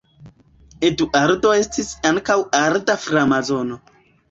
Eduardo estis ankaŭ arda framasono.